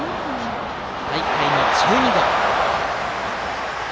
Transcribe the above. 大会の１２号。